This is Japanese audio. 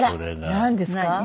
なんですか？